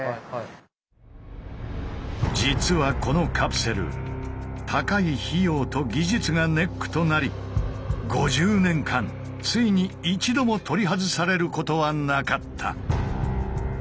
実はこのカプセル高い費用と技術がネックとなり５０年間ついに一度も取り外されることはなかった。